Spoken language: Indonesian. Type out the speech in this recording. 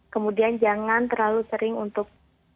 kemudian jangan terlalu sering untuk